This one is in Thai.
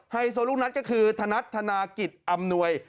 ไฮโซลูกนัดก็คือธนัดธนากิจอำนวย